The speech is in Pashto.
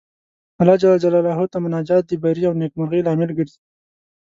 الله جل جلاله ته مناجات د بري او نېکمرغۍ لامل ګرځي.